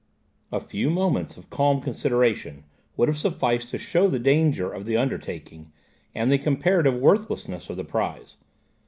A few moments of calm consideration would have sufficed to show the danger of the undertaking, and the comparative worthlessness of the prize.